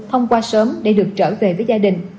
thông qua sớm để được trở về với gia đình